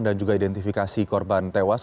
dan juga identifikasi korban tewas